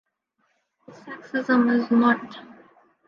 Sexism is not.